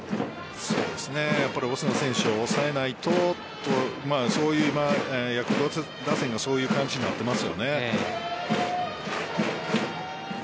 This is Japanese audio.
オスナ選手を抑えないとヤクルト打線がそういう感じになっていますよね。